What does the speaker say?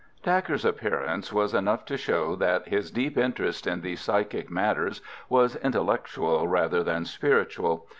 Dacre's appearance was enough to show that his deep interest in these psychic matters was intellectual rather than spiritual.